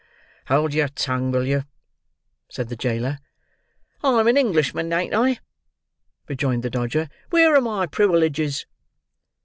"Hold your tongue, will you?" said the jailer. "I'm an Englishman, ain't I?" rejoined the Dodger. "Where are my priwileges?"